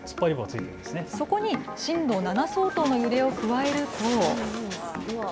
そこに震度７相当の揺れを加えると。